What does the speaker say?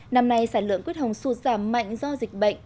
năm nay sản lượng quyết hồng sụt giảm mạnh do dịch bệnh